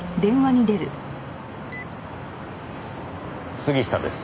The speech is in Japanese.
杉下です。